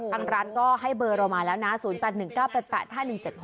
ทางร้านก็ให้เบอร์เรามาแล้วนะ๐๘๑๙๘๘๕๑๗๖